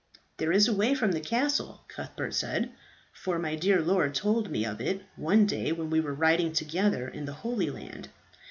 "There is a way from the castle," Cuthbert said, "for my dear lord told me of it one day when we were riding together in the Holy Land.